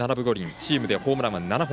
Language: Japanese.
チームでホームランは７本。